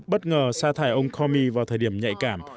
bất ngờ sa thải ông comey vào thời điểm nhạy cảm